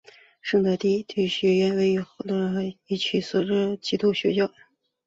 圣德基督学院是位于台湾桃园市中坜区的一所私立基督教学院。